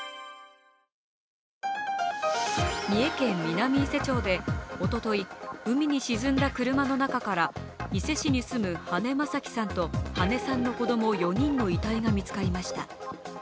三重県南伊勢町でおととい海に沈んだ車の中から伊勢市に住む羽根正樹さんと羽根さんの子供４人の遺体が見つかりました。